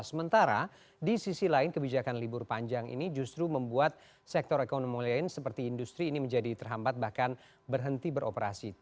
sementara di sisi lain kebijakan libur panjang ini justru membuat sektor ekonomi lain seperti industri ini menjadi terhambat bahkan berhenti beroperasi